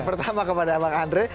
pertama kepada bang andre